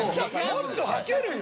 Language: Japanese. もっとはけるよ！